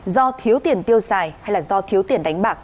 do thiếu tiền tiêu xài hay là do thiếu tiền đánh bạc